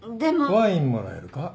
ワインもらえるか？